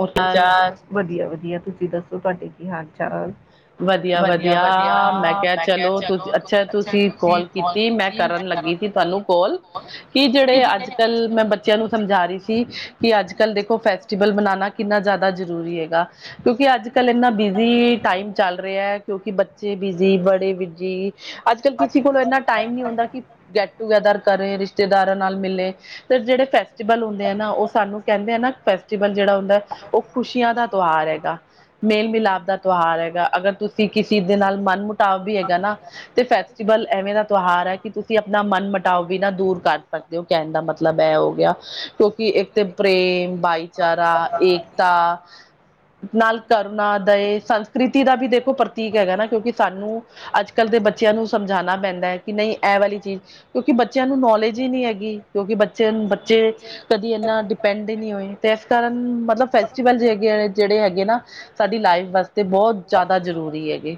ਉਹ ਹਾਲ ਅਚਾਰ ਵਧੀਆ-ਵਧੀਆ ਤੁਸੀਂ ਦੱਸੋ ਤੁਹਾਡੇ ਕੀ ਹਾਲ-ਚਾਲ? ਵਧੀਆ-ਵਧੀਆ ਮੈਂ ਕਿਹਾ ਚਲੋ ਤੁ ਅੱਛਾ ਤੁਸੀਂ ਕੋਲ ਕੀਤੀ ਮੈਂ ਕਰਨ ਲੱਗੀ ਸੀ। ਪੈਲੋਂ ਕੌਲ ਕਿ ਜੜੇ ਅੱਜ-ਕੱਲ ਮੈਂ ਬੱਚਿਆਂ ਨੂੰ ਸਮਝਾ ਰੀ ਸੀ ਕਿ ਅੱਜ-ਕੱਲ ਦੇਖੋ ਫੈਸਟੀਬਲ ਬਨਾਨਾ ਕਿੰਨਾ ਜ਼ਾ ਦਾ ਜਰੂਰੀ ਹੈਗਾ ਕਿਓਂਕਿ ਅੱਜ-ਕੱਲ ਏਨਾਂ ਬਿਜ਼ੀ ਟਾਈਮ ਚੱਲ ਰਿਐ ਕਿਉਂਕਿ ਬੱਚੇ ਬਿਜ਼ੀ, ਬੜੇ ਬਿਜੀ, ਅੱਜ-ਕੱਲ ਕਿਸੀ ਕੋਲ ਏਨਾਂ ਟਾਈਮ ਨੀ ਹੁੰਦਾ ਕਿ ਗੇਟ-ਟੂਗੈਦਰ ਕਰੇ, ਰਿਸ਼ਤੇਦਾਰਾਂ ਨਾਲ ਮਿਲੇ। ਫੇਰ ਜੜੇ ਫੈਸਟੀਬਲ ਹੁੰਦੇ ਐ ਨਾ ਓ ਸਾਨੂੰ ਕੈਂਦੇ ਆ ਨਾ ਫੈਸਟੀਬਲ ਜੜਾ ਹੁੰਦੈ ਓ ਖੁਸ਼ੀਆਂ ਦਾ ਤਿਉਹਾਰ ਹੈਗਾ, ਮੇਲ ਮਿਲਾਪ ਦਾ ਤਿਉਹਾਰ ਹੈਗਾ ਅਗਰ ਤੁਸੀਂ ਕਿਸੇ ਦੇ ਨਾਲ ਮਨ ਮੁਟਾਵ ਬੀ ਹੈਗੈ ਨਾ ਤੇ ਫੈਸਟੀਬਲ ਐਵੇਂ ਦਾ ਤਿਉਹਾਰ ਹੈ ਕਿ ਤੁ ਸੀ ਆਪਨਾ ਮਨਮਟਾਵ ਵੀ ਨਾ ਦੂਰ ਕਰ ਸਕਦੇ ਓ ਕੈਨ ਦਾ ਮਤਲਬ ਐ ਹੋ ਗਿਆ ਕਿਓਂ ਕਿ ਏੱਕ ਤੇ ਪ੍ਰੇਮ, ਭਾਈਚਾਰਾ ਏਕਤਾ ਨਾਲ ਕਰੁਨਾ, ਦਏ, ਸੰਸਕ੍ਰਿ ਤੀ ਦਾ ਵੀ ਦੇਖੋ ਪ੍ਰਤੀਕ ਹੈਗੈ ਨਾ ਕਿਓਂਕਿ ਸਾਨੂੰ ਅੱਜ-ਕੱਲ ਦੇ ਬੱਚਿਆਂ ਨੂੰ ਸਮਝਾਨਾ ਪੈਂਦੈ ਕਿ ਨਈ ਐ ਵਾਲੀ ਚੀਜ ਕਿਉਂਕਿ ਬੱਚਿਆਂ ਨੂੰ ਨੌਲੇਜ ਈ ਨੀ ਹੈਗੀ ਕਿਉਂਕਿ ਬੱਚਿਆਂ ਨੂੰ ਬੱਚੇ ਕਦੀ ਏਨਾ ਡਿਪੈਂਡ ਈ ਨੀ ਹੋਏ ਤੇ ਐਸ ਕਾਰਨ ਮਤਲਬ ਫੈਸਟੀਵਲ ਜ ਗੇੜੇ ਜੜੇ ਹੈਗੇ ਨਾ, ਸਾਡੀ ਲਾਈਫ ਵਾਸਤੇ ਬੋਹੋਤ ਜਾਦਾ ਜਰੂਰੀ ਹੈਗੇ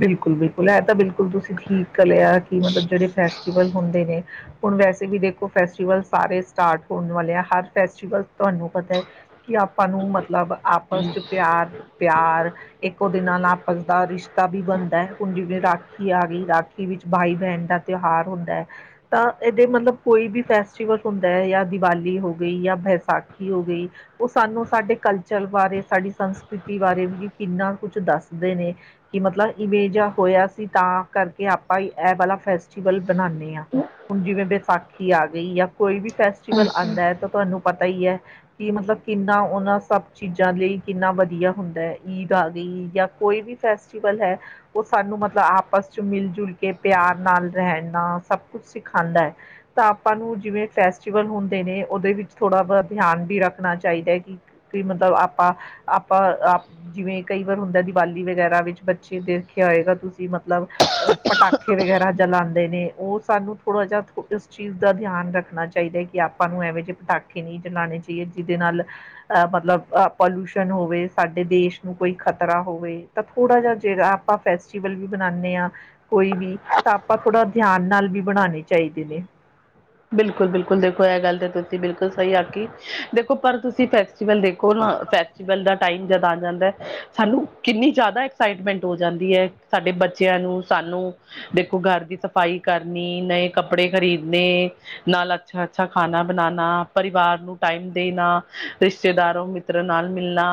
ਬਿਲਕੁਲ-ਬਿਲਕੁਲ ਐ ਤਾਂ ਬਿਲਕੁਲ ਤੁਸੀਂ ਠੀਕ ਗਲ ਐ ਕਿ ਮਤਲਬ ਜੜੇ ਫੈਸਟੀਵਲ ਹੁੰਦੇ ਨੇ ਹੁਨ ਵੈਸੇ ਵੀ ਦੇਖੋ ਫੈਸਟੀਵਲ ਸਾਰੇ ਸਟਾਰਟ ਹੋਨ ਵਾਲੇ ਆ। ਹਰ ਫੈਸਟੀਵਲ ਤੁਆਨੂੰ ਪਤੈ ਕਿ ਆਪਾਂ ਨੂੰ ਮਤਲਬ ਆਪਸ 'ਚ ਪਿਆਰ ਪਿਆਰ, ਏੱਕ ਓਦੇ ਨਾਲ ਆਪਸ ਦਾ ਰਿਸ਼ ਤਾ ਵੀ ਬਨਦੈ। ਹੁਨ ਜਿਵੇਂ ਰਾਖੀ ਆ ਗੀ, ਰਾਖੀ ਵਿੱਚ ਭਾਈ-ਭੈਣ ਦਾ ਤਿਉਹਾਰ ਹੁੰਦੈ ਤਾਂ ਏਦੇ ਮਤਲਬ ਕੋਈ ਵੀ ਫੈਸਟੀਵਲ ਹੁੰ ਦੈ ਯਾਂ ਦੀਵਾਲੀ ਹੋ ਗਈ ਯਾਂ ਬੈਸਾਖੀ ਹੋ ਗਈ ਓ ਸਾਨੂੰ ਸਾਡੇ ਕਲਚਰ ਬਾਰੇ, ਸਾਡੀ ਸੰਸਕ੍ਰਿਤੀ ਬਾਰੇ ਵੀ ਕਿੰਨਾ ਕੁਛ ਦੱਸਦੇ ਨੇ ਕਿ ਮਤਲਬ ਇਵੇਂ ਜ ਹੋਇਆ ਸੀ ਤਾਂ ਕਰਕੇ ਆਪਾਂ ਈ ਐ ਵਾਲਾ ਫੈਸ ਟੀਬਲ ਬਨਾਨੇਂ ਆਂ। ਹੁਨ ਜਿਵੇਂ ਬੈਸਾਖੀ ਆ ਗਈ ਯਾਂ ਕੋਈ ਵੀ ਫੈਸਟੀਬਲ ਆਂਦੈ ਤਾਂ ਤੁਆਨੂੰ ਪਤਾ ਈ ਐ ਕਿ ਮਤਲਬ ਕਿੰਨਾ ਓਨਾਂ ਸਭ ਚੀਜਾਂ ਲਈ ਕਿੰਨਾ ਵਧੀਆ ਹੁੰਦੈ। ਈਦ ਆ ਗਈ ਯਾਂ ਕੋਈ ਵੀ ਫੈਸਟੀਬਲ ਹੈ ਓ ਸਾਨੂੰ ਮਤਲਬ ਆਪਸ 'ਚ ਮਿਲਝੁਲ ਕੇ ਪਿਆਰ ਨਾਲ ਰਹਿਨਾ ਸਭ ਕੁਛ ਸਿਖਾਂਦੈ। ਤਾਂ ਆਪਾਂ ਨੂੰ ਜਿਵੇਂ ਫੈਸਟੀਵਲ ਹੁੰਦੇ ਨੇ ਓਦੇ ਵਿੱਚ ਥੋੜਾ ਬ ਧਿਆਨ ਵੀ ਰੱਖਨਾ ਚਾਈਦੈ ਕਿ ਕਿ ਮਤਲਬ ਆਪਾਂ, ਆਪਾਂ ਆਪ ਜਿਵੇਂ ਕਈ ਵਾਰ ਹੁੰਦੈ ਦੀਵਾਲੀ ਵਗੈਰਾ ਵਿੱਚ ਬੱਚੇ ਦੇਖਿਆ ਆਏਗਾ ਤੁਸੀਂ ਮਤਲਬ ਅ ਪਟਾਖੇ ਵਗੈਰਾ ਜਲਾਂਦੇ ਨੇ। ਓ ਸਾਨੂੰ ਥੋੜਾ ਜਾ ਥੋ ਇਸ ਚੀਜ ਦਾ ਧਿਆਨ ਰੱਖਨਾ ਚਾਈਦੈ ਕਿ ਆਪਾਂ ਨੂੰ ਐਂਵੇਂ ਜੇ ਪਟਾਖੇ ਨਈ ਜਲਾਨੇ ਚਾਈਏ ਜਿਦੇ ਨਾਲ ਅ ਮਤਲਬ ਅ ਪੋਲੂਸ਼ਨ ਹੋਵੇ, ਸਾਡੇ ਦੇਸ਼ ਨੂੰ ਕੋਈ ਖ਼ਤਰਾ ਹੋਵੇ ਤਾਂ ਥੋੜਾ ਜਾ ਜੇੜਾ ਆਪਾਂ ਫੈਸਟੀਵਲ ਵੀ ਬਨਾਨੇਂ ਆਂ ਕੋਈ ਵੀ ਤਾਂ ਆਪਾਂ ਥੋੜਾ ਧਿਆਨ ਨਾਲ ਵੀ ਬਨਾਨੇਂ ਚਾਈਦੇ ਨੇ ਬਿਲਕੁਲ-ਬਿਲਕੁਲ ਦੇਖੋ ਐ ਗੱਲ ਤੇ ਤੁਸੀਂ ਬਿਲਕੁਲ ਸਈ ਆਖੀ। ਦੇਖੋ ਪਰ ਤੁਸੀਂ ਫੈਸਟੀਵਲ ਦੇਖੋ ਨਾ ਫੈ ਸਟੀਬਲ ਦਾ ਟਾਈਮ ਜਦ ਆ ਜਾਂਦੈ ਸਾਨੂੰ ਕਿੰਨੀ ਜਾਦਾ ਐਕਸਾਈਟਮੈਂਟ ਹੋ ਜਾਂਦੀ ਐ ਸਾਡੇ ਬੱਚਿਆਂ ਨੂੰ, ਸਾਨੂੰ ਦੇਖੋ ਘਰ ਦੀ ਸਫਾਈ ਕਰਨੀ, ਨਏ ਕੱਪੜੇ ਖਰੀਦਨੇ ਨਾਲ ਅੱਛਾ-ਅੱਛਾ ਖਾਨਾ ਬਨਾਨਾ, ਪਰਿਵਾਰ ਨੂੰ ਟਾਈਮ ਦੇਨਾ, ਰਿਸ਼ਤੇਦਾਰੋ ਮਿੱ ਤਰਾ ਨਾਲ ਮਿਲਨਾ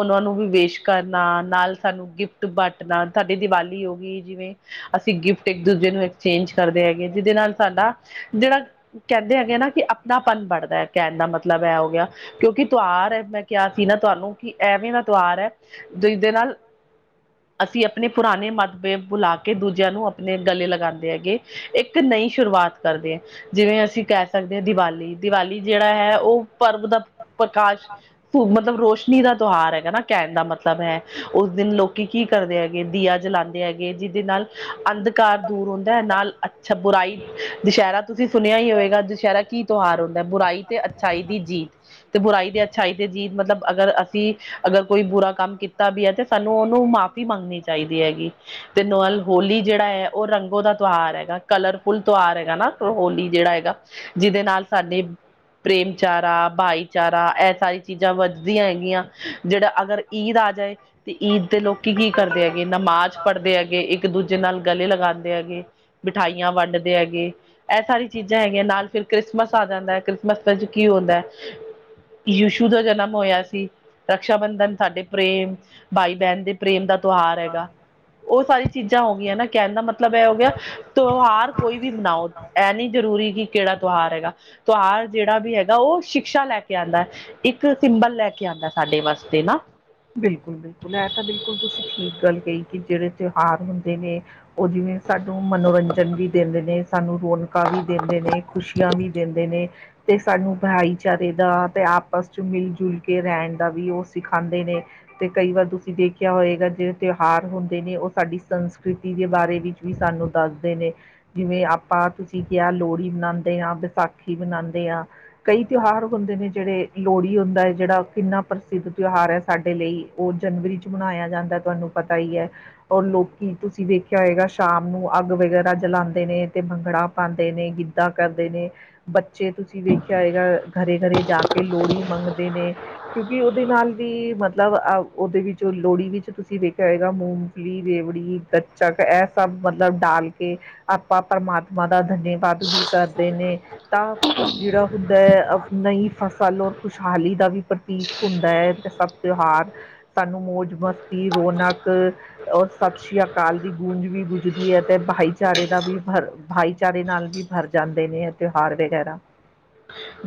ਓਨਾਂ ਨੂੰ ਵੀ ਵਿਸ਼ ਕਰਨਾ, ਨਾਲ ਸਾਨੂੰ ਗਿਫਟ ਬਾਟਨਾ, ਸਾਡੀ ਦੀਵਾਲੀ ਹੋ ਗੀ ਜਿਵੇਂ ਅਸੀਂ ਗਿਫਟ ਇੱਕ ਦੂਜੇ ਨੂੰ ਐਕਸਚੇਂਜ ਕਰਦੇ ਹੈਗੇ ਜਿਹਦੇ ਨਾਲ ਸਾਡਾ ਜਿਹੜਾ ਕਹਿੰਦੇ ਹੈਗੇ ਨਾ ਕਿ ਆਪਣਾਪਨ ਬੜਦਾ ਹੈ ਕਹਿਣ ਦਾ ਮਤਲਬ ਇਹ ਹੋ ਗਿਆ। ਕਿਉਂਕਿ ਤਿਉਹਾਰ ਮੈਂ ਕਿਹਾ ਸੀ ਨਾ ਤੁਹਾਨੂੰ ਕਿ ਐਵੇਂ ਦਾ ਤਿਉਹਾਰ ਹੈ ਜਿਸਦੇ ਨਾਲ [inaudible] ਅਸੀਂ ਆਪਣੇ ਪੁਰਾਣੇ ਮਤਬੇ ਬੁਲਾ ਕੇ ਦੂਜਿਆਂ ਨੂੰ ਆਪਣੇ ਗਲੇ ਲਗਾਦੇ ਹੈਗੇ ਇੱਕ ਨਈ ਸ਼ੁਰੂਆਤ ਕਰਦੇ ਆ ਜਿਵੇਂ ਅਸੀਂ ਕਹਿ ਸਕਦੇ ਹਾਂ ਦੀਵਾਲੀ ਦੀਵਾਲੀ ਜਿਹੜਾ ਹੈ ਉਹ ਪਰਵ ਦਾ ਪ੍ਰਕਾਸ਼ ਮਤਲਬ ਰੋਸ਼ਨੀ ਦਾ ਤਿਉਹਾਰ ਹੈਗਾ ਨਾ ਕਹਿਣ ਦਾ ਮਤਲਬ ਹੈ ਉਸ ਦਿਨ ਲੋਕੀ ਕੀ ਕਰਦੇ ਹੈਗੇ ਦੀਆ ਜਲਾਦੇ ਹੈਗੇ, ਜਿਹਦੇ ਨਾਲ ਅੰਧਕਾਰ ਦੂਰ ਹੁੰਦਾ ਐ ਨਾਲ ਅੱਛਾ ਬੁਰਾਈ ਦੁਸਹਿਰਾ। ਤੁਸੀਂ ਸੁਣਿਆ ਹੀ ਹੋਵੇਗਾ ਦੁਸਹਿਰਾ ਕੀ ਤਿਉਹਾਰ ਹੁੰਦਾ ਏ, ਬੁਰਾਈ ਤੇ ਅੱਛਾਈ ਦੀ ਜੀਤ ਤੇ ਬੁਰਾਈ ਤੇ ਅੱਛਾਈ ਤੇ ਜੀਤ ਮਤਲਬ ਅਗਰ ਅਸੀਂ ਅਗਰ ਕੋਈ ਬੁਰਾ ਕੰਮ ਕੀਤਾ ਵੀ ਹੈ ਤੇ ਸਾਨੂੰ ਉਹਨੂੰ ਮਾਫ਼ ਵੀ ਮੰਗਣੀ ਚਾਹੀਦੀ ਹੈਗੀ। ਤੇ ਨਾਲ ਹੋਲੀ ਜਿਹੜਾ ਹੈ ਉਹ ਰੰਗੋ ਦਾ ਤਿਉਹਾਰ ਹੈਗਾ ਕਲਰਫੁਲ ਤਿਉਹਾਰ ਹੈਗਾ ਨਾ। ਹੋਲੀ ਜਿਹੜਾ ਹੈਗਾ ਜਿਹਦੇ ਨਾਲ ਸਾਡੇ ਪ੍ਰੇਮਚਾਰਾ, ਭਾਈਚਾਰਾ ਆ ਇਹ ਸਾਰੀ ਚੀਜ਼ਾਂ ਵੱਧਦੀਆਂ ਹੈਗੀਆਂ, ਜਿਹੜਾ ਅਗਰ ਈਦ ਆ ਜਾਏ ਤੇ ਈਦ ਦੇ ਲੋਕ ਕੀ ਕਰਦੇ ਹੈਗੇ, ਨਮਾਜ਼ ਪੜ੍ਹਦੇ ਹੈਗੇ, ਇੱਕ ਦੂਜੇ ਨਾਲ ਗਲੇ ਲਗਾਦੇ ਹੈਗੇ। ਮਿਠਾਈਆਂ ਵੰਡਦੇ ਹੈਗੇ। ਇਹ ਸਾਰੀ ਚੀਜ਼ਾਂ ਹੈਗੀਆਂ ਨਾਲ ਫਿਰ ਕ੍ਰਿਸਮਸ ਆ ਜਾਂਦਾ, ਕ੍ਰਿਸਮਸ ਵਿੱਚ ਕੀ ਹੁੰਦਾ। ਯੀਸ਼ੂ ਦਾ ਜਨਮ ਹੋਇਆ ਸੀ ਰਕਸ਼ਾ ਬੰਧਨ ਸਾਡੇ ਪ੍ਰੇਮ ਭਾਈ ਬਹਿਣ ਦੇ ਪ੍ਰੇਮ ਦਾ ਤਿਉਹਾਰ ਹੈਗਾ। ਉਹ ਸਾਰੀ ਚੀਜ਼ਾਂ ਹੋ ਗਈਆਂ ਨਾ ਕਹਿਣ ਦਾ ਮਤਲਬ ਇਹ ਹੋ ਗਿਆ ਤਿਉਹਾਰ ਕੋਈ ਵੀ ਮਨਾਉ। ਇਹ ਨਹੀਂ ਜ਼ਰੂਰੀ ਕਿ ਕਿਹੜਾ ਤਿਉਹਾਰ ਹੈਗਾ, ਤਿਉਹਾਰ ਜਿਹੜਾ ਵੀ ਹੈਗਾ ਉਹ ਸ਼ਿਕਸ਼ਾ ਲੈ ਕੇ ਕਿ ਆਦਾ ਇੱਕ ਸਿੰਬਲ ਲੈ ਕੇ ਆਦਾ ਸਾਡੇ ਵਾਸਤੇ ਨਾ। ਬਿਲਕੁਲ ਬਿਲਕੁਲ ਇਹ ਤਾਂ ਬਿਲਕੁਲ ਤੁਸੀਂ ਠੀਕ ਗੱਲ ਕਹੀ ਕਿ ਜਿਹੜੇ ਤਿਉਹਾਰ ਹੁੰਦੇ ਨੇ ਉਹ ਜਿਵੇਂ ਸਾਨੂੰ ਮਨੋਰੰਜਨ ਵੀ ਦੇਦੈ ਨੇ। ਸਾਨੂੰ ਰੌਣਕਾਂ ਵੀ ਦਿੰਦੇ ਨੇ, ਖੁਸ਼ੀਆਂ ਵੀ ਦਿੰਦੇ ਨੇ, ਤੇ ਸਾਨੂੰ ਭਾਈ ਚਾਰੇ ਦਾ ਤੇ ਆਪਸ ਚ ਮਿਲ ਜੁਲ ਕੇ ਰਹਿਣ ਦਾ ਵੀ ਉਹ ਸਿਖਾਦੇ ਨੇ। ਤੇ ਕਈ ਵਾਰ ਤੁਸੀਂ ਦੇਖਿਆ ਹੋਏਗਾ, ਜਿਹੜੇ ਤਿਉਹਾਰ ਹੁੰਦੇ ਨੇ ਉਹ ਸਾਡੀ ਸੰਸਕ੍ਰਿਤੀ ਦੇ ਬਾਰੇ ਵੀ ਵੀ ਸਾਨੂੰ ਦੱਸਦੇ ਨੇ। ਜਿਵੇਂ ਆਪਾਂ ਤੁਸੀਂ ਕਿਹਾ ਲੋਹੜੀ ਮਨਾਦੇ ਹਾਂ, ਵਿਸਾਖੀ ਮਨਾਦੇ ਹਾਂ। ਕਈ ਤਿਉਹਾਰ ਹੁੰਦੇ ਨੇ ਜਿਹੜੇ ਲੋਹੜੀ ਹੁੰਦਾ ਐ ਜਿਹੜਾ ਕਿੰਨਾ ਪ੍ਰਸਿੱਧ ਤਿਉਹਾਰ ਹੈ ਸਾਡੇ ਲਈ।, ਉਹ ਜਨਵਰੀ ਚ ਮਨਾਇਆ ਜਾਂਦਾ ਤੁਹਾਨੂੰ ਪਤਾ ਈ ਹੀ। ਔਰ ਲੋਕੀ ਤੁਸੀਂ ਵੇਖਿਆ ਹੋਏਗਾ, ਸ਼ਾਮ ਨੂੰ ਅੱਗ ਵਗੈਰਾ ਜਲਾਉਂਦੇ ਨੇ ਤੇ ਭੰਗਣਾਾ ਪਾਉਂਦੇ ਨੇ ਗਿੱ ਧਾਂ ਕਰਦੇ ਨੇ ਬੱਚੇ ਤੁਸੀਂ ਵੇਖਿਆ ਹੋਏ ਗਾ ਘਰੇ ਘਰੇ ਜਾ ਕੇ ਲੋਹੜੀ ਮੰਗਦੇ ਨੇ। ਕਿਉਂਕਿ ਉਹਦੇ ਨਾਲ ਵੀ ਮਤਲਬ ਅਹ ਉਹਦੇ ਵਿੱਚ ਲੋਹੜੀ ਵਿੱਚ ਤੁਸੀਂ ਵੇਖਿਆ ਹੈਏਗਾ ਮੂੰ ਫਲੀ, ਰੇਵੜੀ, ਗੱਚਕ ਇਹ ਸਭ ਮਤਲਬ ਡਾਲ ਕੇ ਆਪਾਂ ਪ੍ਰਮਾਤਮਾ ਦਾ ਧੰਨੇਵਾਦ ਵੀ ਕਰਦੇ ਨੇ ਤਾਂ ਜਿਹੜਾ ਹੁੰਦਾ ਐ ਨਈ ਫਸਲ ਔਰ ਖੁਸ਼ਹਾਲੀ ਦਾ ਵੀ ਪ੍ਰਤੀਕ ਹੁੰਦਾ ਐ ਤੇ ਸਭ ਤਿਉਹਾਰ ਸਾਨੂੰ ਮੌਜ, ਮਸਤੀ, ਰੌਣਕ ਔਰ ਸਤਿ ਸ੍ਰੀ ਅਕਾਲ ਦੀ ਗੂੰਜ ਵੀ ਗੁਜਦੀ ਹੈ, ਤੇ ਭਾਈਚਾਰੇ ਦਾ ਵੀ ਭਰ -ਭਾਈਚਾਰੇ ਨਾਲ ਵੀ ਭਰ ਜਾਂਦੇ ਨੇ ਤਿਓਹਾਰ ਵਗੈਰਾ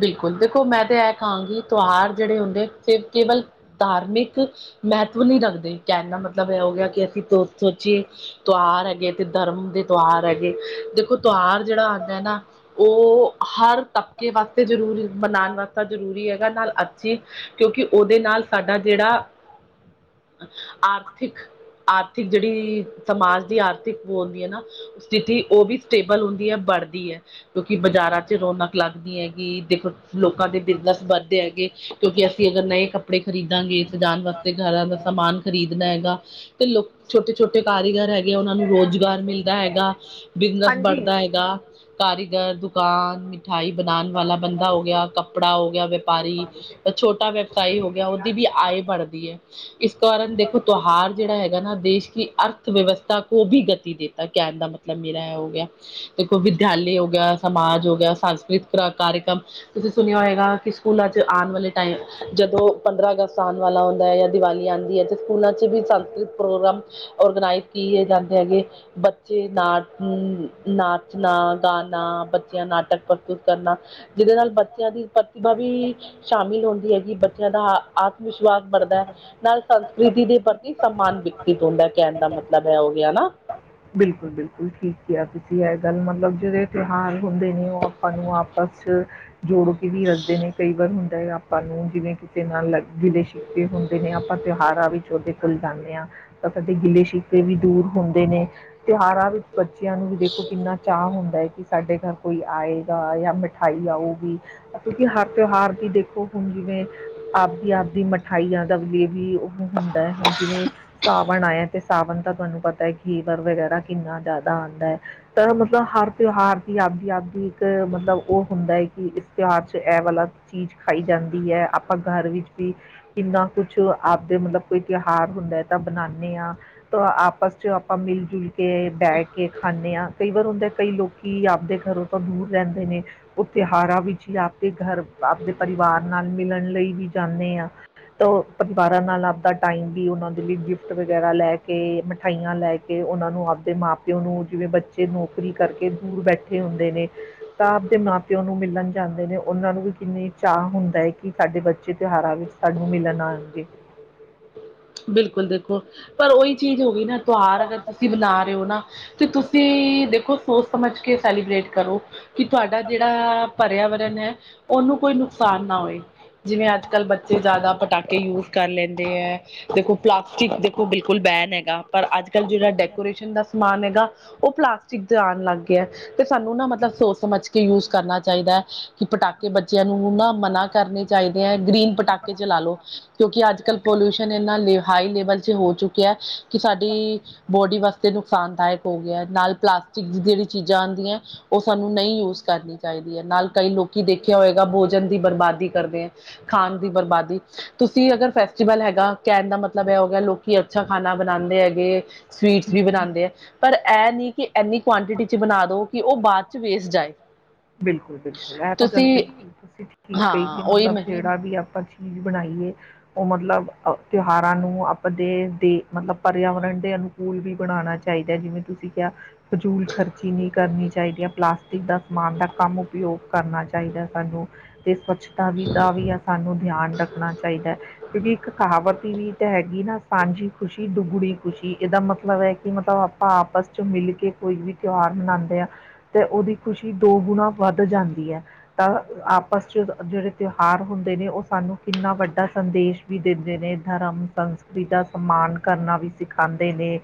ਬਿਲਕੁਲ ਦੇਖੋ ਮੈਂ ਤੇ ਇਹ ਕਹਾਂਗੀ ਤਿਉਹਾਰ ਜਿਹੜੇ ਹੁੰਦੇ ਕੇਵਲ ਧਾਰਮਿਕ ਮਹੱਤਵ ਨਹੀਂ ਰੱਖਦੇ ਕਹਿਣ ਦਾ ਮਤਲਬ ਇਹੋ ਹੋ ਗਿਆ ਕਿ ਅਸੀਂ ਸੋ ਸੋਚੀਏ ਤਿਉਹਾਰ ਹੈਗੇ ਤੇ ਧਰਮ ਦੇ ਤਿਉਹਾਰ ਹੈਗੇ ਦੇਖੋ ਤਿਉਹਾਰ ਜੇੜਾ ਆਂਦਾ ਐ ਨਾ ਓ ਹਰ ਤਬਕੇ ਵਾਸਤੇ ਜ਼ਰੂਰੀ ਮਨਾਣ ਵਾਸਤੇ ਜ਼ਰੂਰੀ ਐ। ਨਾਲ ਅੱਛੀ ਕਿਓਂਕੇ ਓਦੇ ਨਾਲ ਸਾਡਾ ਜੇੜਾ ਆਰਥਿਕ-ਆਰਥਿਕ ਜੇੜੀ ਸਮਾਜ ਦੀ ਆਰਥਿਕ ਬੋ ਹੁੰਦੀ ਐ ਨਾ ਸਥਿਤੀ ਓ ਵੀ ਸਟੇਬਲ ਹੁੰਦੀ ਐ ਬੜਦੀ ਐ ਕਿਓਂਕਿ ਬਾਜ਼ਾਰਾਂ ਚ ਰੌਣਕ ਲੱਗਦੀ ਐ। ਗੀ ਦੇਖੋ ਲੋਕਾਂ ਦੇ ਬਿਜਨਸ ਵੱਦਦੇ ਹੈਗੇ। ਕਿਓਂਕਿ ਅਸੀਂ ਅਗਰ ਨਈਂ ਕੱਪੜੇ ਖਰੀਦਾਂਗੇ ਸਜਾਨ ਵਾਸਤੇ ਤੇ ਗਰਾਂ ਦਾ ਸਮਾਨ ਖਰੀਦਨਾ ਹੈਗਾ ਤੇ ਲੋਕ ਛੋਟੇ ਛੋਟੇ ਕਾਰੀਗਰ ਹੈਗੇ ਆ ਓਨਾਂ ਨੂੰ ਰੋਜ਼ਗਾਰ ਮਿਲਦਾ ਹੈਗਾ ਬਿਜ਼ਨਸ ਬੜਦਾ ਹੈਗਾ ਕਾਰੀਗਰ ਦੁਕਾਨ, ਮਿਠਾਈ ਬਨਾਨ ਵਾਲਾ ਬੰਦਾ ਹੋ ਗਿਆ ਕੱਪੜਾ ਹੋ ਗਿਆ ਵੇਪਾਰੀ ਛੋਟਾ ਵਿਵਸਾਈ ਹੋ ਗਿਆ ਓਦੀ ਵੀ ਆਏ ਬੜਦੀ ਏ ਇਸ ਕਾਰਨ ਦੇਖੋ ਤੋਹਾਰ ਜੇੜਾ ਹੈਗਾ ਨਾ ਦੇਸ਼ ਕੀ ਅਰਥ ਵਿਵਸਥਾ ਕੋ ਬੀ ਗਤੀ ਦੇਤਾ ਕੈਣ ਦਾ ਮਤਲਬ ਮੇਰਾ ਐ ਹੋ ਗਿਆ। ਦੇਖੋ ਵਿਦਿਆਲੇ ਹੋ ਗਿਆ, ਸਮਾਜ ਹੋ ਗਿਆ, ਸੰਸਕ੍ਰਿਤਿਕ ਕਾਰੇਕ੍ਰਮ ਤੁਸੀਂ ਸੁਨੇਆਂ ਹੋਏਗਾ ਕਿ ਸਕੂਲਾਂ ਚ ਆਨ ਵਾਲੇ ਟਾਈਮ ਜਦੋਂ ਪੰਦਰਾਂ ਅਗਸਤ ਆਨ ਵਾਲਾ ਹੁੰਦਾ ਐ ਯਾ ਦੀਵਾਲੀ ਆਨ ਐ ਤੇ ਸਕੂਲਾਂ ਚ ਵੀ ਸੰਸਕ੍ਰਿਤ ਪ੍ਰੋਗਰਾਮ ਔਰਗਨਾਈਜ਼ ਕੀਏ ਜਾਂਦੇ ਹੈਗੇ। ਬੱਚੇ ਨਾਚ ਅ ਨਾਚਨਾ, ਗਾਨਾ, ਬੱਚੇਆਂ ਨਾਟਕ ਪ੍ਰਤੀ ਕਰਨਾ ਜੀਦੇ ਨਾਲ ਬੱਚੇਆਂ ਦੀ ਪ੍ਰਤਿਭਾ ਵੀ ਸ਼ਾਮਿਲ ਹੁੰਦੀ ਹੈਗੀ ਬੱਚੇਆਂ ਦਾ ਆਤਮ-ਵਿਸ਼ਵਾਸ ਬੜਦੈ। ਨਾਲ ਸੰਸਕ੍ਰਿਤੀ ਦੇ ਪ੍ਰਤੀ ਸਨਮਾਨ ਵਿਕਸਿਤ ਹੁੰਦਾ ਕੈਨ ਦਾ ਮਤਲਬ ਏ ਹੋ ਗਿਆ ਨਾ। ਬਿਲਕੁਲ-ਬਿਲਕੁਲ ਠੀਕ ਕਿਆ ਤੁਸੀਂ ਏ ਗੱਲ ਮਤਲਬ ਜੇੜੇ ਤਿਉਹਾਰ ਹੁੰਦੇ ਨੇ ਓ ਆਪਾਂ ਨੂੰ ਆਪਸ ਚ ਜੋੜ ਕੇ ਵੀ ਰੱਖਦੇ ਨੇ ਕਈ ਵਾਰ ਹੁੰਦਾ ਐ ਆਪਾਂ ਨੂੰ ਜਿਵੇਂ ਕਿ ਦੇ ਨਾਲ ਗਿਲੇ-ਸ਼ਿਕਵੇ ਹੁੰਦੇ ਨੇ ਆਪਾਂ ਤੇਹਾਰਾਂ ਵਿੱਚ ਓਦੇ ਨਿਕਲ ਜਾਨੇ ਆਂ ਤਾਂ ਕਦੇ ਗਿਲੇ-ਸ਼ਿਕਵੇ ਵੀ ਦੂਰ ਹੁੰਦੇ ਨੇ ਤੇਹਾਰਾਂ ਵਿੱਚ ਬੱਚੇਆਂ ਨੂੰ ਵੀ ਦੇਖੋ ਕਿੰਨਾ ਚਾਅ ਹੁੰਦਾ ਕਿ ਸਾਡੇ ਗਰ ਕੋਈ ਆਏ। ਗਾ ਯਾਂ ਮਿਠਾਈ ਆਊਗੀ ਕਿਓਂਕਿ ਹਰ ਤੇਓਹਾਰ ਦੀ ਦੇਖੋ ਹੁਨ ਜਿਵੇਂ ਆਵਦੀ-ਆਵਦੀ ਮਿਠਾਈਆਂ ਦਾ ਲੀਏ ਵੀ ਓਹ ਹੁੰਦਾ ਹੁਨ ਜਿਵੇਂ ਸਾਵਣ ਆਏਆ ਤੇ ਸਾਵਨ ਤਾਂ ਤੁਆਨੂੰ ਪਤਾ ਐ ਘੀਵਰ ਵਗੈਰਾ ਕਿੰਨਾ ਜ਼ਾਅਦਾ ਆਂਦਾ ਏ। ਤਾਂ ਮਤਲਬ ਹਰ ਤਿਓਹਾਰ ਦੀ ਆਵਦੀ-ਆਵਦੀ ਇੱਕ ਮਤਲਬ ਓ ਹੁੰਦਾ ਐ ਕਿ ਇਸ ਤਿਓਹਾਰ ਚ ਐ ਵਾਲਾ ਚੀਜ਼ ਖਾਈ ਜਾਂਦੀ ਐ ਆਪਾਂ ਗਰ ਵਿੱਚ ਵੀ ਕਿੰਨਾ ਕੁਛ ਆਵਦੇ ਮਤਲਬ ਕੋਈ ਤੇਹਾਰ ਹੁੰਦਾ ਐ ਤਾਂ ਬਨਾਨੇ ਆਂ ਤਾਂ ਆਪਸ ਚ ਆਪਾਂ ਮਿਲ-ਜੁਲ ਕੇ ਬੈ ਕੇ ਖਾਨੇ ਆ ਕਈ ਵਾਰ ਹੁੰਦੇ ਕਈ ਲੋਕ ਕੀ ਆਵਦੇ ਗਰੋਂ ਤਾਂ ਦੂਰ ਰੈਂਦੇ ਨੇ। ਓ ਤੇਹਾਰਾਂ ਵਿੱਚ ਈ ਆਪਦੇ ਗਰ ਆਪਦੇ ਪਰਿਵਾਰ ਨਾਲ ਮਿਲਣ ਲਈ ਵੀ ਜਾਨੇ ਆਂ। ਤਾਂ ਓ ਪਰਿਵਾਰਾਂ ਨਾਲ ਅਵਦਾ ਟਾਈਮ ਵੀ ਓਨਾਂ ਦੇ ਲਈ ਗਿਫਟ ਵਗੈਰਾ ਲੈ ਕੇ, ਮਿਠਾਈਆਂ ਲੈ ਕੇ ਕੇ ਓਨਾਂ ਨੂੰ ਆਪਦੇ ਮਾਂ-ਪੇਓ ਨੂੰ ਜਿਵੇਂ ਬੱਚੇ ਨੌਕਰੀ ਕਰਕੇ ਦੂਰ ਬੈਠੇ ਹੁੰਦੇ ਨੇ ਤਾਂ ਅਵਦੇ ਮਾਂ-ਪਿਓ ਨੂੰ ਮਿਲਨ ਜਾਂਦੇ ਨੇ ਓਨਾਂ ਨੂੰ ਵੀ ਕਿੰਨੀ ਚਾਅ ਹੁੰਦਾ ਐ ਕਿ ਸਾਡੇ ਬੱਚੇ ਤੇਹਾਰਾਂ ਵਿੱਚ ਸਾਨੂੰ ਮਿਲਨ ਆਨਗੇ। ਬਿਲਕੁਲ ਦੇਖੋ ਪਰ ਓਈ ਚੀਜ਼ ਹੋ ਗਈ ਨਾ ਤੋਹਾਰ ਅਗਰ ਤੁਸੀਂ ਬਨਾ ਰਏ ਓ ਨਾ ਤੇ ਤੁਸੀਂ ਦੇਖੋਂ ਸੋਚ ਸਮਝ ਕੇ ਸੈਲੀਬ੍ਰੇਟ ਕਰੋ ਕਿ ਤੁਆਡਾ ਜੇੜਾ ਭਰੇਆ ਵਾ ਵਰਨ ਐ ਓਨੂੰ ਕੋਈ ਨੁਕਸਾਨ ਨਾ ਹੋਏ ਜਿਵੇਂ ਅੱਜ-ਕੱਲ ਬੱਚੇ ਬੱਚੇ ਜ਼ਾਅਦਾ ਪਟਾਕੇ ਯੂਜ਼ ਕਰ ਲੈਂਦੇ ਐ ਦੇਖੋਂ ਪਲਾਸਟਿਕ ਦੇਖੋਂ ਬਿਲ ਕੁਲ ਬੈਨ ਹੈਗਾ ਪਰ ਅੱਜ-ਕੱਲ ਜੇੜਾ ਡੈਕੋਰੇਸ਼ਨ ਦਾ ਸਮਾਨ ਹੈਗਾ ਓ ਪਲਾਸਟਿਕ ਦੇ ਆਨ ਲਾਗੇਆ। ਤੇ ਸਾਨੂੰ ਨਾ ਮਤਲਬ ਸੋਚ ਸਮਝ ਕੇ ਯੂਜ਼ ਕਰਨਾ ਚਾਈਦੈ ਕਿ ਪਟਾਕੇ ਬੱਚੇਆਂ ਨੂੰ ਨਾ ਮਨਾਂ ਕਰਨੇ ਚਾਈਦੇ ਐ ਗ੍ਰੀਨ ਪਟਾਕੇ ਚਲਾ ਲੋ ਕਿਓਂਕਿ ਅੱਜ-ਕੱਲ ਪੋਲਿਊਸ਼ਨ ਏਨਾ ਹਾਈ ਲੇਵਲ ਚ ਹੋ ਚੁੱਕੇਆਂ ਕਿ ਸਾਡੀ ਬੋਡੀ ਵਾਸਤੇ ਨੁਕਸਾਨਦਾਇਕ ਹੋ ਗਿਆ ਨਾਲ ਪਲਾਸਟਿਕ ਦੀ ਜਿਹੜੀ ਚੀਜ਼ਾਂ ਆਂਦੀਐਂ ਉਹ ਸਾਨੂੰ ਨਹੀਂ ਯੂਜ ਕਰਨੀ ਚਾਹੀਦੀ ਨਾਲ਼ ਕਈ ਲੋਕ ਦੇਖਿਆ ਹੋਏਗਾ ਭੋਜਨ ਦੀ ਬਰਬਾਦੀ ਕਰਦੇ ਐ ਖਾਣ ਦੀ ਬਰਬਾਦੀ ਤੁਸੀਂ ਅਗਰ ਫੈਸਟੀਵਲ ਹੈਗਾ ਕਹਿਣ ਦਾ ਮਤਲਬ ਐ ਹੋਗਿਆ ਲੋਕੀਂ ਅੱਛਾ ਖਾਣਾ ਬਣਾਂਦੇ ਹੈਗੇ, ਸਵੀਟਸ ਵੀ ਬਣਾਂਦੇ ਐ ਪਰ ਇਹ ਨੀ ਕਿ ਇੰਨੀ ਕੁਆਂਟਿਟੀ ਚ ਬਣਾ ਦੋ ਕਿ ਉਹ ਬਾਦ ਚ ਵੇਸਟ ਜਾਏ। ਬਿਲਕੁਲ ਬਿਲਕੁਲ ਇਹ ਤਾਂ ਗੱਲ ਤੁਸੀਂ ਸਈ ਕਹੀਂ ਤੁਸੀਂ ਠੀਕ ਕਹੀਂ ਹਾਂ ਕਿ ਉਹੀ ਮੈਂ ਮਤਲਬ ਜੇ ਜਿਹੜਾ ਵੀ ਆਪਾਂ ਚੀਜ਼ ਬਣਾਈਏ ਉਹ ਮਤਲਬ ਤਿਉਹਾਰਾਂ ਨੂੰ ਆਪਦੇ ਦੇ ਮਤਲਬ ਪਰਿਆਵਰਨ ਦੇ ਅਨੁ ਕੂਲ ਵੀ ਬਣਾਣਾ ਚਾਹੀਦੈ ਜਿਵੇਂ ਤੁਸੀਂ ਕਿਹਾ ਫ਼ਜ਼ੂਲ ਖ਼ਰਚੀ ਨਈ ਕਰਨੀ ਚਾਹੀਦੀ ਐ ਪਲਾਸਟਿਕ ਦਾ ਸਮਾਨ ਦਾ ਕਮ ਉਪਯੋਗ ਕਰਨਾ ਚਾਹੀਦਾ। ਸਾਨੂੰ ਤੇ ਸਵੱਛਤਾ ਵੀ ਦਾ ਵੀ ਸਾਨੂੰ ਧਿਆਨ ਰੱਖਣਾ ਚਾਹੀਦੈ‌। ਕਿਉਂਕਿ ਇੱਕ ਕਹਾਵਤ ਵੀ ਤਾਂ ਹੈਗੀ ਨਾ ਸਾਂਝੀ ਖੁਸ਼ੀ ਦੁੱਗੜੀ ਖੁਸ਼ੀ ਇਹਦਾ ਮਤਲਬ ਹੈ ਕਿ ਮਤਲਬ ਆਪਾਂ ਆਪਸ ਚ ਮਿਲ ਕੇ ਕੋਈ ਵੀ ਤਿਉਹਾਰ ਮਨਾਂਦੇ ਆ। ਤੇ ਉਹਦੀ ਖ਼ੁਸ਼ੀ ਦੋ ਗੁਣਾ ਵੱਧ ਜਾਂਦੀ ਐ। ਤਾਂ ਆਪਸ ਚ ਜਿਹੜੇ ਤਿਉਹਾਰ ਹੁੰਦੇ ਨੇ ਉਹ ਸਾਨੂੰ ਕਿੰਨਾ ਵੱਡਾ ਸੰਦੇਸ਼ ਵੀ ਦਿੰਦੇ ਨੇ ਧਰਮ, ਸੰਸਕ੍ਰਿ ਦਾ ਸੱਮਾਨ ਕਰਨਾ ਵੀ ਸਿਖਾਂਦੇ ਨੇ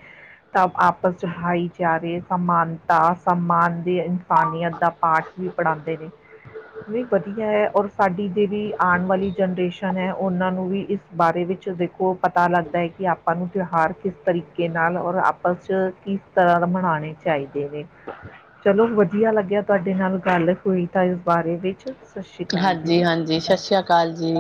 ਤਾਂ ਆਪਸ ਚ ਹਾਈਚਾਰੇ ਸਮਾਨਤਾ ਸੱਮਾਨ ਦੀ ਇਨਸਾਨੀਅਤ ਦਾ ਪਾਠ ਵੀ ਪੜਾਂਦੇ ਨੇ। ਵੀ ਵਧੀਐ ਔਰ ਸਾਡੀ ਜਿਹੜੀ ਆਣ ਵਾਲੀ ਜਨਰੇਸ਼ਨ ਐ ਉਹਨਾਂ ਨੂੰ ਵੀ ਇਸ ਬਾਰੇ ਵਿੱਚ ਦੇਖੋ ਪਤਾ ਲੱਗਦੈ ਕਿ ਆਪਾਂ ਨੂੰ ਤਿਉਹਾਰ ਕਿਸ ਤਰੀਕੇ ਨਾਲ ਔਰ ਆਪਸ 'ਚ ਕਿਸ ਤਰ੍ਹਾਂ ਦਾ ਮਨਾਂਣੇ ਚਾਹੀਦੇ ਨੇ। ਚਲੋ ਵਧੀਆ ਲੱਗਿਆ ਤੁਹਾਡੇ ਨਾਲ ਗੱਲ ਹੋਈ ਤਾਂ ਬਾਰੇ ਵਿੱਚ। ਸ਼੍ਰੀ ਅਕਾਲ ਜੀ। ਹਾਂਜੀ ਹਾਂਜੀ ਸਸੀਆਕਾਲ ਜੀ।